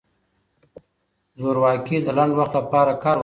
زورواکي د لنډ وخت لپاره کار ورکوي.